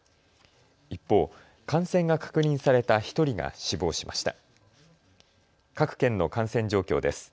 一方、感染が確認された１人が死亡しました。